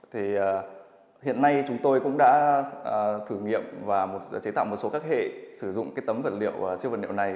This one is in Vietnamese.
thì hiện nay chúng tôi cũng đã thử nghiệm và chế tạo một số các hệ sử dụng cái tấm vật liệu siêu vật liệu này